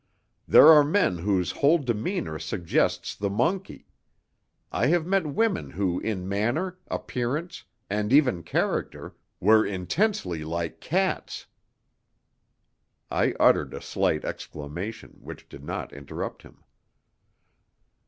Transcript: There are men whose whole demeanour suggests the monkey. I have met women who in manner, appearance, and even character, were intensely like cats." I uttered a slight exclamation, which did not interrupt him.